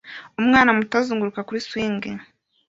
Umwana muto azunguruka kuri swing